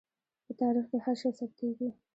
په تاریخ کې هر شی ثبتېږي.